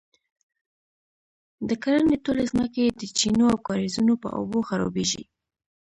د کرنې ټولې ځمکې یې د چینو او کاریزونو په اوبو خړوبیږي،